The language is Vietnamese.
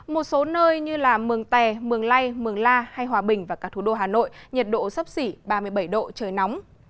một số nơi như mường tè mường lai mường la hay hòa bình và các thủ đô hà nội nhiệt độ sắp xỉ ba mươi bảy độ trời nóng